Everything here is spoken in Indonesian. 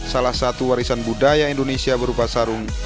salah satu warisan budaya indonesia berupa sarung